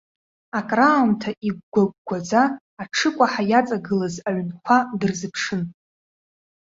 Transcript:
Акраамҭа игәгәа-гәгәаӡа аҽыкәаҳа иаҵагылаз аҩнқәа дырзыԥшын.